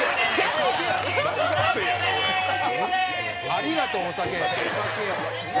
「“ありがとうお酒”」